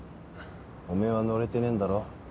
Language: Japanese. オメエは乗れてねえんだろ？